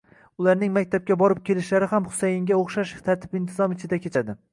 Ularning maktabga borib-kelishlari ham Husayinga o'xshash tartib-intizom ichida kechdi.